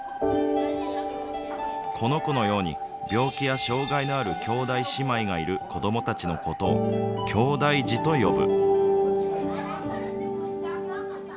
この子のように病気や障害のある兄弟姉妹がいる子どもたちのことをきょうだい児と呼ぶ。